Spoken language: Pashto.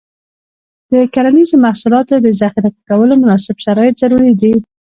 د کرنیزو محصولاتو د ذخیره کولو مناسب شرایط ضروري دي.